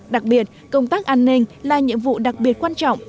đặc biệt công tác an ninh là nhiệm vụ đặc biệt quan trọng